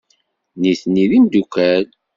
Nitni d imeddukal?